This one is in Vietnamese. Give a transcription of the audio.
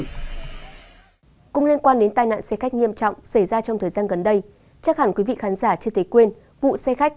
cũng liên quan đến tai nạn xe khách nghiêm trọng xảy ra trong thời gian gần đây chắc hẳn quý vị khán giả chưa thể quên vụ xe khách